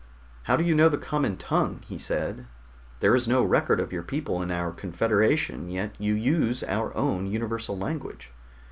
"How do you know the common tongue?" he said. "There is no record of your people in our Confederation, yet you use our own universal language."